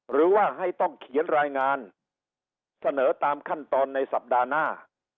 หรือว่าให้ต้องเขียนรายงานเสนอตามขั้นตอนในสัปดาห์หน้า